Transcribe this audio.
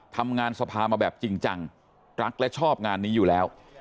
ทำงานสภามาแบบจริงจังรักและชอบงานนี้อยู่แล้ว